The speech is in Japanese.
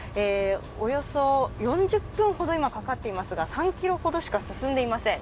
およそ４０分ほどかかっていますが３ｋｍほどしか進んでいません。